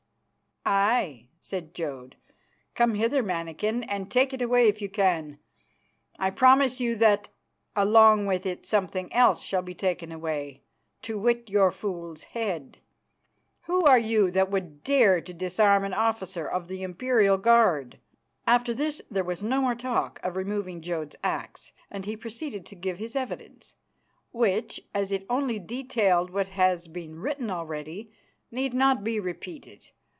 "Aye," said Jodd, "come hither, mannikin, and take it away if you can. I promise you that along with it something else shall be taken away, to wit your fool's head. Who are you that would dare to disarm an officer of the Imperial Guard?" After this there was no more talk of removing Jodd's axe, and he proceeded to give his evidence, which, as it only detailed what has been written already, need not be repeated.